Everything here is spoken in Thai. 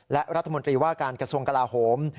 และรัฐมนตรีว่าการกระทรวงกลาโหม